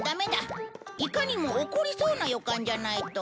いかにも起こりそうな予感じゃないと。